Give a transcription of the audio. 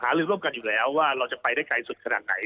ลืมร่วมกันอยู่แล้วว่าเราจะไปได้ไกลสุดขนาดไหน